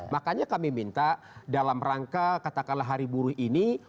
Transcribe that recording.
makanya kami minta dalam rangka katakanlah hari buruh ini